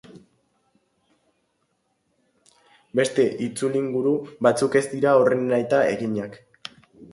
Beste itzulinguru batzuk ez dira horren nahita eginak.